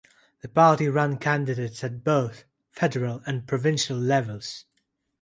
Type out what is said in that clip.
The party ran candidates at both federal and provincial levels.